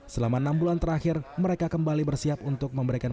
selama enam bulan terakhir mereka kembali bersiap untuk memberikan